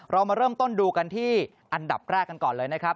เรามาเริ่มต้นดูกันที่อันดับแรกกันก่อนเลยนะครับ